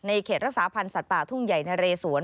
เขตรักษาพันธ์สัตว์ป่าทุ่งใหญ่นะเรสวน